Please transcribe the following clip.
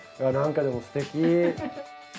なんかでもすてき。